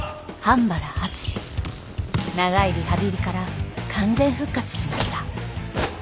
長いリハビリから完全復活しました。